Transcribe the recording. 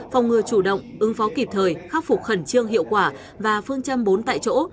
phòng ngừa chủ động ứng phó kịp thời khắc phục khẩn trương hiệu quả và phương châm bốn tại chỗ